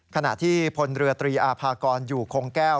ขณะที่พลเรือตรีอาภากรอยู่คงแก้ว